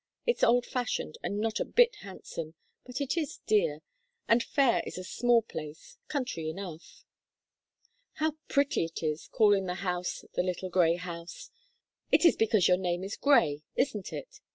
It's old fashioned, and not a bit handsome, but it is dear, and Fayre is a small place country enough." "How pretty it is, calling the house 'the little grey house'! It is because your name is Grey, isn't it?"